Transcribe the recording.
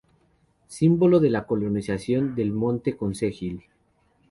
Símbolo de la colonización del monte concejil.